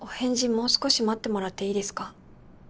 もう少し待ってもらっていいですか？